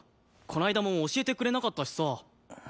この間も教えてくれなかったしさ。